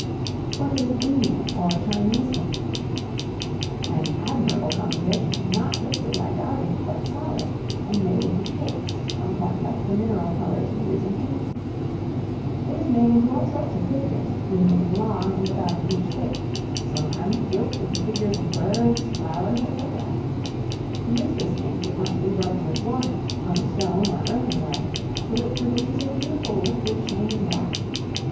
What is Indian, or Chinese Ink? An admirable composition, not liquid like our ink, but solid, and made into cakes somewhat like the mineral colors we use in painting. It is made into all sorts of figures, usually long, and about an inch thick; sometimes gilt with the figures of birds, flowers, &c. To use this ink, it must be rubbed with water, on stone or earthenware, till it produces a beautiful, liquid, shining black.